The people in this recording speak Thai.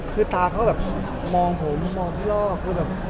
คือตาเขาแบบมองผมมองพี่ลอก